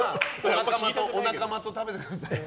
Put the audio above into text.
お仲間と食べてください。